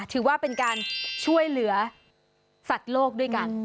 ถือว่าเป็นการช่วยเหลือสัตว์โลกด้วยกัน